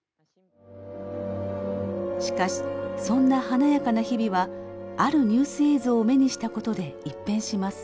しかしそんな華やかな日々はあるニュース映像を目にした事で一変します。